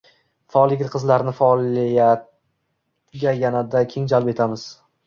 Faol yigit-qizlarni faoliyatga yanada keng jalb etamiz.